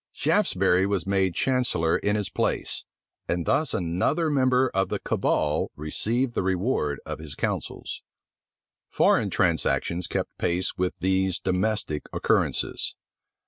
Shaftesbury was made chancellor in his place; and thus another member of the cabal received the reward of his counsels. Foreign transactions kept pace with these domestic occurrences.